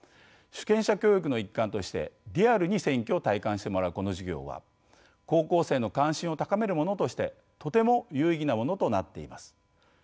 主権者教育の一環としてリアルに選挙を体感してもらうこの授業は高校生の関心を高めるものとしてとても有意義なものとなっています。